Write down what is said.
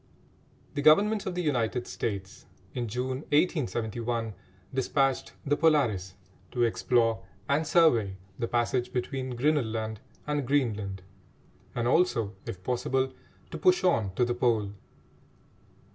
The Government of the United States, in June 1871, despatched the Polaris to explore and survey the passage between Grinnel Land and Greenland, and also, if possible, to push on to the Pole.